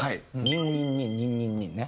「ニンニンニンニンニンニン」ね。